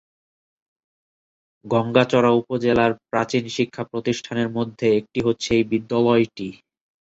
গংগাচড়া উপজেলার প্রাচীন শিক্ষা প্রতিষ্ঠানের মধ্যে একটি হচ্ছে এই বিদ্যালয়টি।